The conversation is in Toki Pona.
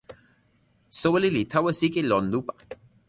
soweli li tawa sike lon lupa.